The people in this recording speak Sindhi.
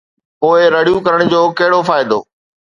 پوءِ رڙيون ڪرڻ جو ڪهڙو فائدو؟